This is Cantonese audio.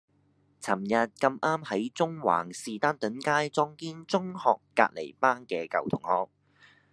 噚日咁啱喺中環士丹頓街撞見中學隔離班嘅舊同學